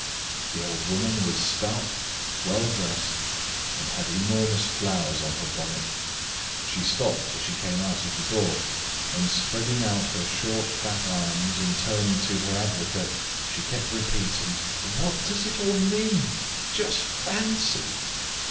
The old woman was stout, well dressed, and had enormous flowers on her bonnet; she stopped as she came out of the door, and spreading out her short fat arms and turning to her advocate, she kept repeating. "What does it all mean? just fancy!"